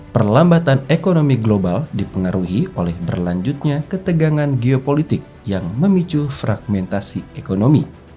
perlambatan ekonomi global dipengaruhi oleh berlanjutnya ketegangan geopolitik yang memicu fragmentasi ekonomi